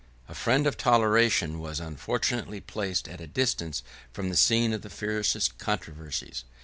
] The friend of toleration was unfortunately placed at a distance from the scene of the fiercest controversies.